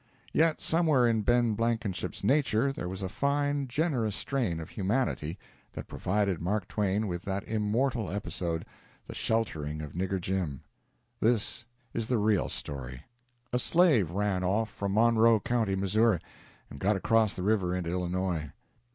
Yet somewhere in Ben Blankenship's nature there was a fine, generous strain of humanity that provided Mark Twain with that immortal episode the sheltering of Nigger Jim. This is the real story: A slave ran off from Monroe County, Missouri, and got across the river into Illinois.